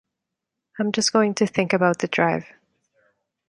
I’m just going to think about the drive.